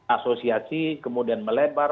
asosiasi kemudian melebar